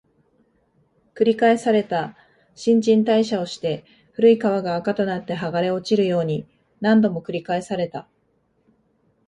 繰り返された、新陳代謝をして、古い皮が垢となって剥がれ落ちるように、何度も繰り返された